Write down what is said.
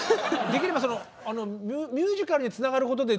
できればミュージカルにつながることで。